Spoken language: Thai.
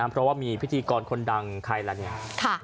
เพราะว่ามีพิธีกรคนดังใครล่ะเนี่ย